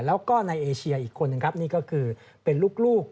และแอเชียอีกคนก็เป็นลูก